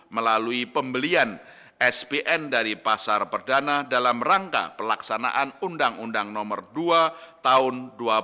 melalui pembelian spn dari pasar perdana dalam rangka pelaksanaan undang undang nomor dua tahun dua ribu dua puluh